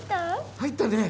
入ったね。